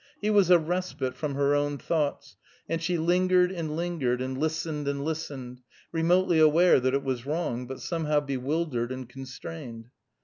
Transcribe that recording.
He was a respite from her own thoughts, and she lingered and lingered, and listened and listened, remotely aware that it was wrong, but somehow bewildered and constrained.